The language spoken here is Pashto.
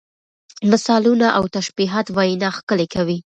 مثالونه او تشبیهات وینا ښکلې کوي.